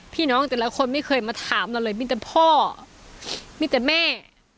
พี่น้องแต่ละคนไม่เคยมาถามเราเลยมีแต่พ่อมีแต่แม่